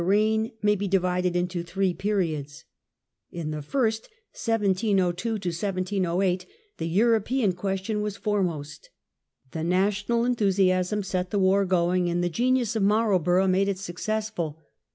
— t]^^ reign may be divided into three periods. In the first (i 702 1 708) the European question was foremost. The national enthusiasm set the war going, and the genius of Marlborough made it successful.